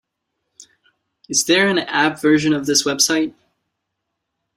Is there an app version of this website?